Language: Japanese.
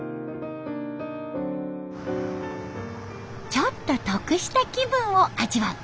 「ちょっと得した気分」を味わう